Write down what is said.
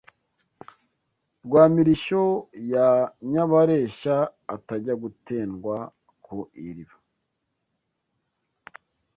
Rwa Mirishyo ya Nyabareshya Atajya gutendwa ku iriba